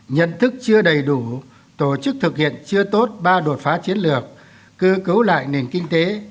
nhận thức chưa đầy đủ tổ chức thực hiện chưa tốt ba đột phá chiến lược cơ cấu lại nền kinh tế